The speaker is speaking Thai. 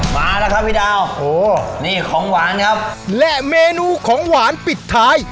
มาแล้วครับพี่ดาวโอ้โหนี่ของหวานครับและเมนูของหวานปิดท้าย